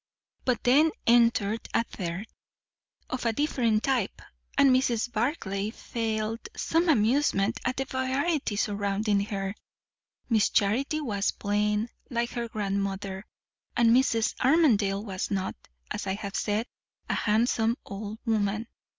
But then entered a third, of a different type, and Mrs. Barclay felt some amusement at the variety surrounding her. Miss Charity was plain, like her grandmother; and Mrs. Armadale was not, as I have said, a handsome old woman.